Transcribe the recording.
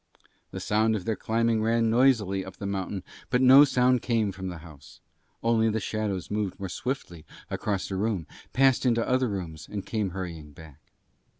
The sound of their climbing ran noisily up the mountain but no sound came from the house: only the shadows moved more swiftly across a room, passed into other rooms and came hurrying back.